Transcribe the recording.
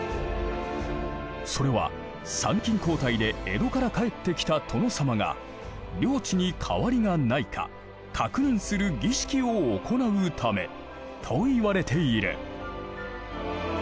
それは参勤交代で江戸から帰ってきた殿様が領地に変わりがないか確認する儀式を行うためと言われている。